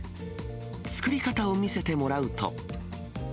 作り方を見せてもらうと。